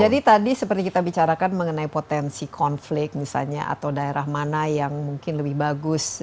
jadi tadi seperti kita bicarakan mengenai potensi konflik misalnya atau daerah mana yang mungkin lebih bagus